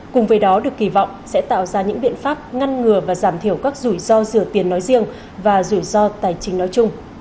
cùng với đó được kỳ vọng sẽ tạo ra những biện pháp ngăn ngừa và giảm thiểu các rủi ro rửa tiền nói riêng và rủi ro tài chính nói chung